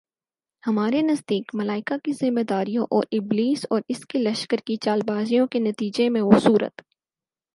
ہمارے نزدیک، ملائکہ کی ذمہ داریوں اور ابلیس اور اس کے لشکر کی چالبازیوں کے نتیجے میں وہ صورتِ